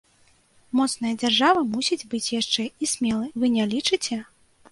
Моцная дзяржава мусіць быць яшчэ і смелай, вы не лічыце?